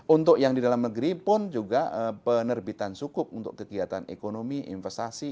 untuk yang di dalam negeri pun juga penerbitan sukup untuk kegiatan ekonomi investasi